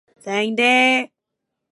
靜啲